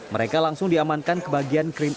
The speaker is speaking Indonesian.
mereka langsung diamankan ke bagian krim